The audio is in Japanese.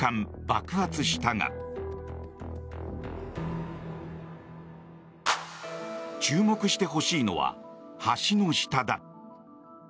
爆発したが注目してほしいのは橋の下だ。